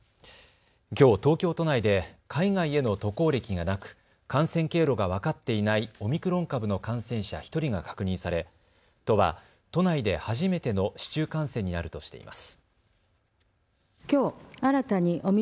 きょう東京都内で海外への渡航歴がなく感染経路が分かっていないオミクロン株の感染者１人が確認され都は都内で初めての市中感染になるとしています。